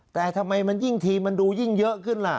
แต่ทำไมมันยิ่งทีมันดูยิ่งเยอะขึ้นล่ะ